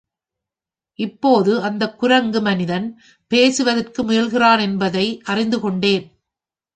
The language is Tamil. இப்போது அந்தக் குரங்கு மனிதன் பேசுவதற்கு முயல்கிறாதென்பதை அறிந்து கொண்டேன்.